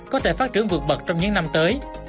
có thể phát trưởng vượt bật trong những năm tới